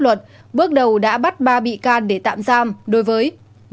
theo pháp luật bước đầu đã bắt ba bị can để tạm giam đối với